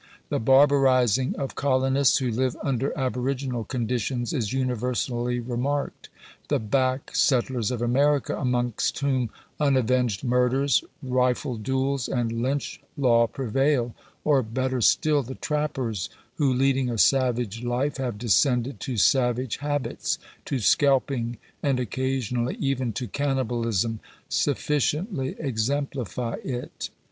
The barbarizing of colonists, who live under aboriginal conditions, is universally remarked. The back settlers of America, amongst whom un avenged murders, rifle duels, and Lynch law prevail — or, better still, the trappers, who leading a savage life have descended to savage habits, to scalping, and occasionally even to cannibalism — sufficiently exemplify it.